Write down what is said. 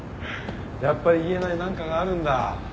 やっぱり言えない何かがあるんだ。